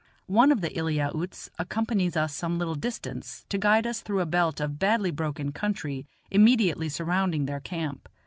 One of the Eliautes accompanies us some little distance to guide us through a belt of badly broken country immediately surrounding their camp.